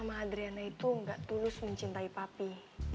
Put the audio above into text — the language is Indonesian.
sama adriana itu gak tulus mencintai papi